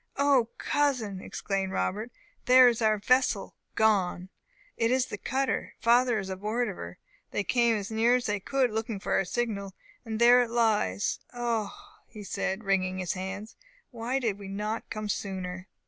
"O, cousin!" exclaimed Robert, "there is our vessel gone! It is the cutter! Father is aboard of her! They came as near as they could, looking for our signal and there it lies! Oh h!" said he, wringing his hands, "why did we not come sooner?"